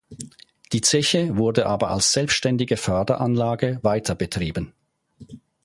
Die Zeche wurde aber als selbständige Förderanlage weiterbetrieben.